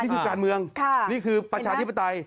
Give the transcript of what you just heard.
นี่คือการเมืองนี่คือประชาธิปไตย